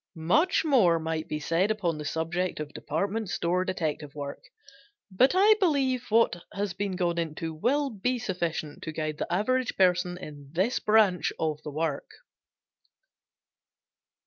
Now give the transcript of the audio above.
Much more might be said upon the subject of department store detective work, but I believe what has been gone into will be sufficient to guide the average person in this branch of the work.